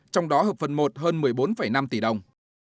trong đó hợp phần một hơn một mươi bốn năm tỷ đồng